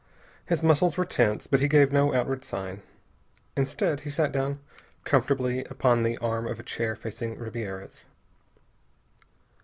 His muscles were tense, but he gave no outward sign. Instead, he sat down comfortably upon the arm of a chair facing Ribiera's.